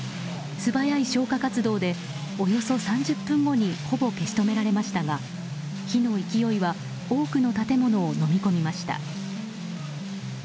素早い消火活動でおよそ３０分後にほぼ消し止められましたが火の勢いは多くの建物をのみ込みました。